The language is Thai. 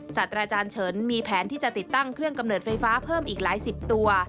สัตว์อาจารย์เฉินมีแผนที่จะติดตั้งเครื่องกำเนิดไฟฟ้าเพิ่มอีกหลายสิบตัว